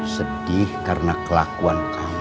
sedih karena kelakuan kamu